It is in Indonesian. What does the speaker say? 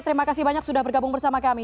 terima kasih banyak sudah bergabung bersama kami